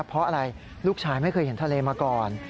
เพราะอะไรลูกชายไม่เคยเห็นทะเลมาก่อน